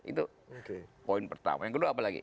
itu poin pertama yang kedua apa lagi